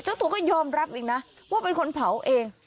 ตัวก็ยอมรับอีกนะว่าเป็นคนเผาเอง